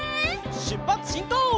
しゅっぱつしんこう！